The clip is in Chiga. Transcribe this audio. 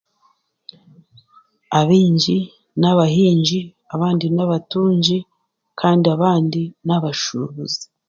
Abaingi n'abahingyi abandi n'abatungi kandi abandi n'abashubuzi.